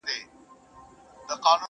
پر نغمو پر زمزمو چپاو راغلى!.